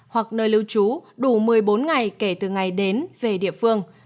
hoặc nơi lưu trú đủ một mươi bốn ngày kể từ ngày đến về địa phương